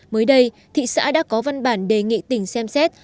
mới đây thị xã đã có văn bản đề nghị tỉnh xem xét